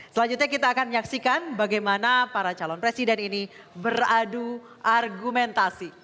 selanjutnya kita akan menyaksikan bagaimana para calon presiden ini beradu argumentasi